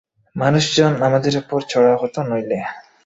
মানুষজন আমাদের উপরে চড়াও হতো নইলে।